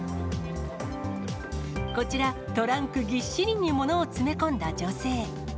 こちら、トランクぎっしりにものを詰め込んだ女性。